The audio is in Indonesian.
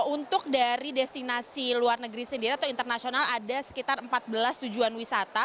untuk dari destinasi luar negeri sendiri atau internasional ada sekitar empat belas tujuan wisata